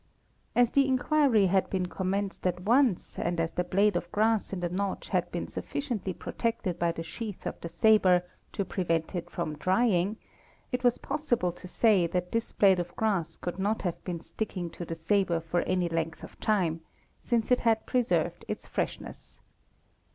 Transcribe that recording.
As the inquiry had been commenced at once and as the blade of grass in the notch had been sufficiently protected by the sheath of the sabre to prevent it from drying, it was possible to say that this blade of ~ grass could not have been sticking to the sabre for any length of time, since it had preserved its freshness.